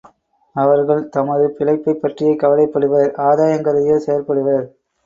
அவர்கள் தமது பிழைப்பைப் பற்றியே கவலைப்படுவர், ஆதாயங் கருதியே செயற்படுவர்.